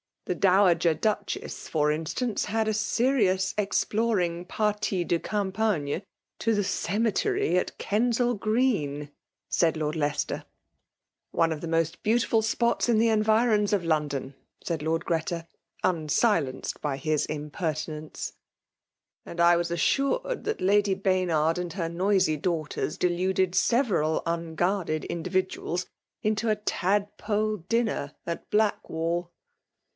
The Dowager Duchess, for in stance, had a serious exploring partie de cam pagne to the cemetery at Kensal Green," said Lord Leicester. 186 FEMALE DOBflNATION. '' One of the most beautiful spots in the environs of London/* said Lord Greta, mud 4enced by his impertinence. '« And I was assured that Lady Baynard and her noisy dau^ters deluded several un guarded individuals into a tadpole dinner at Blackwall."